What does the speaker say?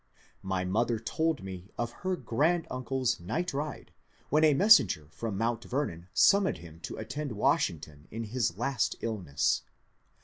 My mother told me of her grand uncle's night ride when a messenger from Mount Vernon summoned him to attend Washington in his last illness.